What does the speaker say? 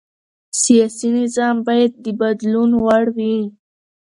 سیاسي نظام باید د بدلون وړ وي